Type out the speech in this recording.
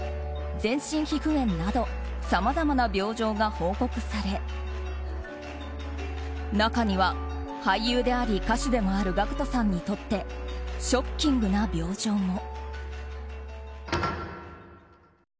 全身皮膚炎などさまざまな病状が報告され中には俳優であり、歌手でもあるＧＡＣＫＴさんにとってショッキングな病状も。